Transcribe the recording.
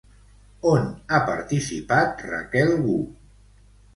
On ha participat Raquel Gu?